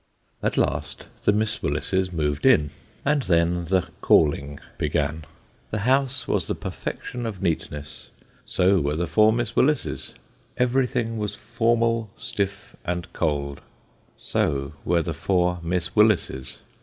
At last, the Miss Willises moved in ; and then the " calling " began. The house was the perfection of neatness so were the four Miss Willises. Everything was formal, stiff, and cold so were the four Miss Willises.